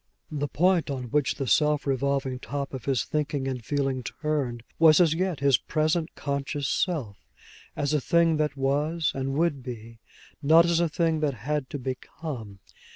The point on which the swift revolving top of his thinking and feeling turned was as yet his present conscious self, as a thing that was and would be, not as a thing that had to become.